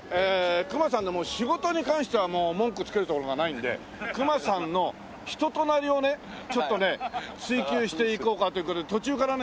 隈さんの仕事に関しては文句つけるところがないので隈さんの人となりをねちょっとね追究していこうかという事で途中からね